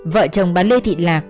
vợ chồng bà lê thị lạc